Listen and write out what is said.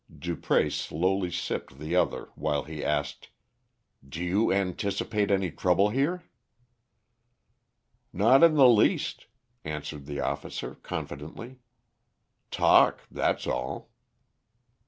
Dupré slowly sipped the other while he asked "Do you anticipate any trouble here?" "Not in the least," answered the officer confidently. "Talk, that's all."